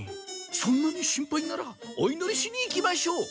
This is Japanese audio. そんなに心配ならお祈りしに行きましょう。